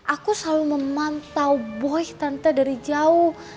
aku selalu memantau boy tante dari jauh